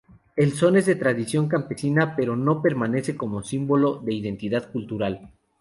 El son es de tradición campesina, pero permanece como símbolo de identidad cultural.